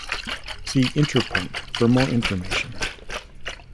See interpunct for more information.